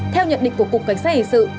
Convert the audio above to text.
theo nhận định của cục cảnh sát hệ sự